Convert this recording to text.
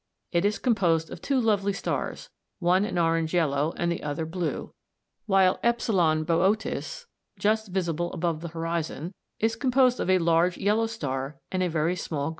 It is composed of two lovely stars; one an orange yellow and the other blue; while [Greek: e] Boötis, just visible above the horizon, is composed of a large yellow star and a very small green one.